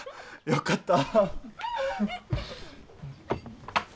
よかった。